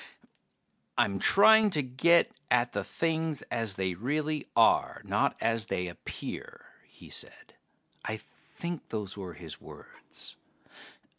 "I'm trying to get at things as they really are, not as they appear," he said. I think those were his words.